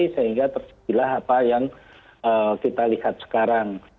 sehingga terjadilah apa yang kita lihat sekarang